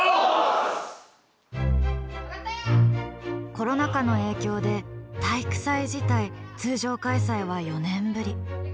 コロナ禍の影響で体育祭自体通常開催は４年ぶり。